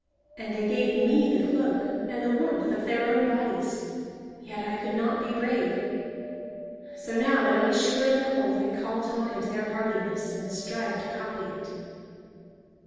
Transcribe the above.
"And they gave me the cloak and the warmth of their own bodies, yet I could not be brave. So now when I shiver in the cold I call to mind their hardiness, and strive to copy it."